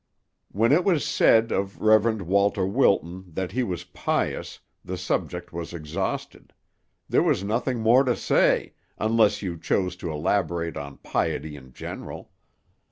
When it was said of Rev. Walter Wilton that he was pious, the subject was exhausted; there was nothing more to say, unless you chose to elaborate on piety in general.